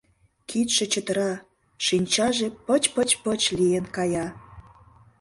Кидше чытыра, шинчаже пыч-пыч-пыч лийын кая.